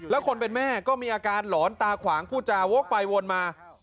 แล้วคนเป็นแม่ก็มีอาการหลอนตาขวางผู้จาวกไปวนมา